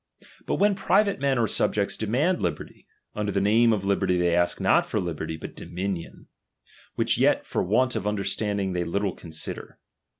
But when pri LnvLnoi, , vate men or subjects demand liberty, under the '''""'■^^ Dame of liberty they ask not for liberty, but domi J nion ; which yet for want of understanding they 1 little consider.